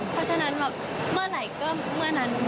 เพราะฉะนั้นแบบเมื่อไหร่ก็เมื่อนั้น